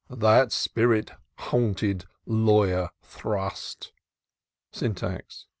" That spirit haunted Lawyer Thrust'' Syntax.